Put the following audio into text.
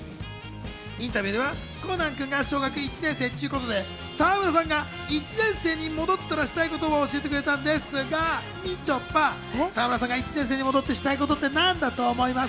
インタビューではコナンくんが小学１年生ということで、沢村さんが１年生に戻ったらしたい事を教えてくれたんですが、みちょぱ、沢村さんが１年生に戻ってしたいことって何だと思います？